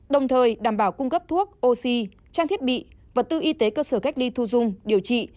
đồng thời đảm bảo cung cấp thuốc oxy trang thiết bị vật tư y tế cơ sở cách ly thu dung điều trị